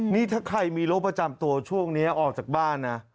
นี่ถ้าใครมีโรคประจำตัวช่วงนี้ออกจากบ้านนะ